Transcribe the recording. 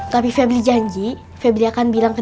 tapi febri janji febri akan bilang ke